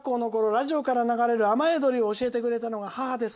ラジオから流れる「雨やどり」を教えてくれたのが母です。